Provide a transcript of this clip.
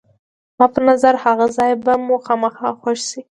زما په نظر هغه ځای به مو خامخا خوښ شي.